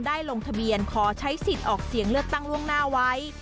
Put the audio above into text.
ลงทะเบียนขอใช้สิทธิ์ออกเสียงเลือกตั้งล่วงหน้าไว้